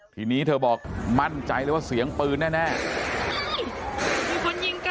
ทีนี้เธอบอกมั่นใจเลยว่าเสียงปืนแน่